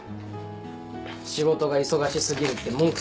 仕事が忙し過ぎるって文句垂れてた。